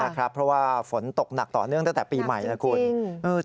เพราะว่าฝนตกหนักต่อเนื่องตั้งแต่ปีใหม่นะคุณ